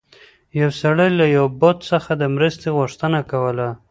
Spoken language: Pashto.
یو سړي له یو بت څخه د مرستې غوښتنه کوله.